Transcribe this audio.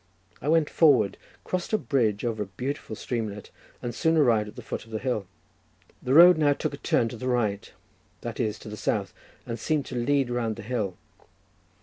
I went forward, crossed a bridge over a beautiful streamlet, and soon arrived at the foot of the hill. The road now took a turn to the right, that is, to the south, and seemed to lead round the hill.